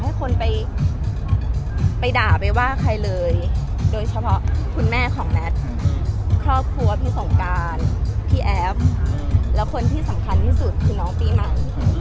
ให้คนไปด่าไปว่าใครเลยโดยเฉพาะคุณแม่ของแมทครอบครัวพี่สงการพี่แอฟแล้วคนที่สำคัญที่สุดคือน้องปีใหม่